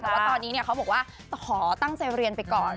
แต่ว่าตอนนี้เขาบอกว่าขอตั้งใจเรียนไปก่อน